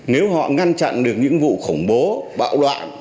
nếu họ ngăn chặn được những vụ khủng bố bạo loạn